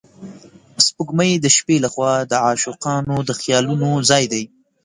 سپوږمۍ د شپې له خوا د عاشقانو د خیالونو ځای دی